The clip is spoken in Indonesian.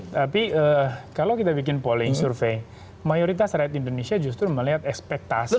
tapi kalau kita bikin polling survei mayoritas rakyat indonesia justru melihat ekspektasi